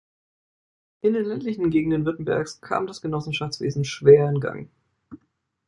In den ländlichen Gegenden Württembergs kam das Genossenschaftswesen schwer in Gang.